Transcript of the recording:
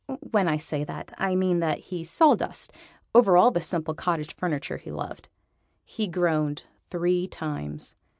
(When I say that, I mean that he saw dust over all the simple cottage furniture he loved.) He groaned three times.